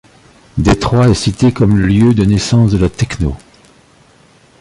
Détroit est cité comme le lieu de naissance de la techno.